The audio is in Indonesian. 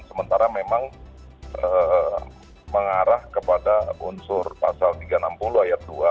sementara memang mengarah kepada unsur pasal tiga ratus enam puluh ayat dua